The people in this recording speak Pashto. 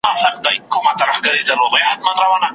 د زمري به سوې په خوله کي وچي ناړي